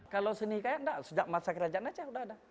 kalau seni hikayat sudah ada sejak masa kerajaan aceh